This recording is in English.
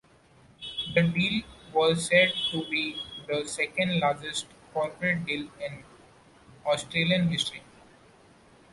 The deal was said to be the second largest corporate deal in Australian history.